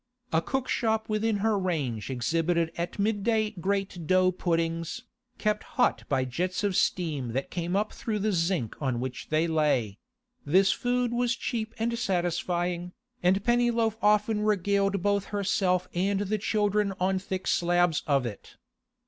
A cook shop within her range exhibited at midday great dough puddings, kept hot by jets of steam that came up through the zinc on which they lay; this food was cheap and satisfying, and Pennyloaf often regaled both herself and the children on thick slabs of it.